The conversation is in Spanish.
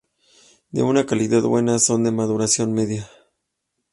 De una calidad buena, son de maduración media.